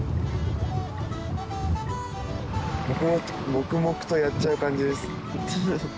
黙々とやっちゃう感じです。